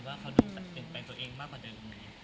ว่าเขาเปลี่ยนแปลงตัวเองมากกว่าเดิม